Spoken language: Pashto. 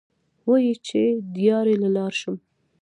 وې ئې چې " دیاړۍ له لاړ شم ـ